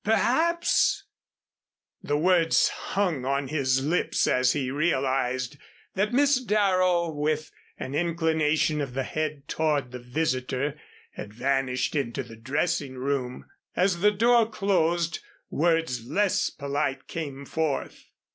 Perhaps " The words hung on his lips as he realized that Miss Darrow with an inclination of the head toward the visitor, had vanished into the dressing room. As the door closed words less polite came forth.